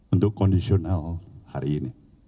untuk conditional hari ini